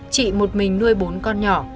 chị một mình nuôi bốn con nhỏ